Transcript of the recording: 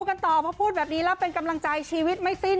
พูดกันต่อพูดแบบนี้เป็นกำลังใจชีวิตไม่สิ้น